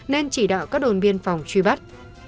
nên chỉ đạo các đồn biên phòng truy bắt